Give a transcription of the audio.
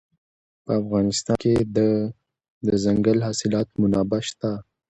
په افغانستان کې د دځنګل حاصلات منابع شته.